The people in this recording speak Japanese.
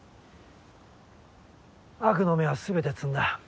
悪の芽はすべて摘んだ。